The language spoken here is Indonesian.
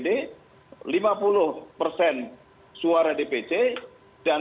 dan tentu mendapatkan persetujuan